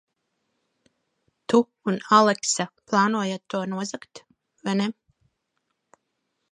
Tu un Aleksa plānojat to nozagt, vai ne?